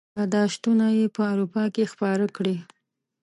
خپل یاداشتونه یې په اروپا کې خپاره کړي.